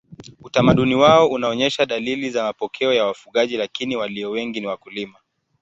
Utamaduni wao unaonyesha dalili za mapokeo ya wafugaji lakini walio wengi ni wakulima.